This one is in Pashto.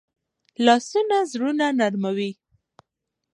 لاسونه زړونه نرموي